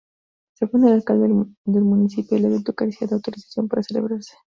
Según el alcalde del municipio, el evento carecía de autorización para celebrarse.